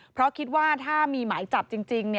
เพราะคิดว่าถ้ามีหมายจับจริง